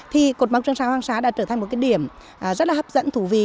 thì cột mốc trường xa hoàng xa đã trở thành một điểm rất là hấp dẫn thú vị